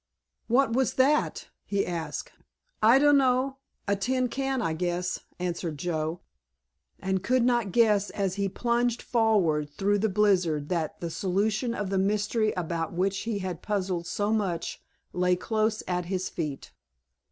"What was that?" he asked. "I dunno, a tin can, I guess," answered Joe, and could not guess as he plunged forward through the blizzard that the solution of the mystery about which he had puzzled so much lay close at his feet.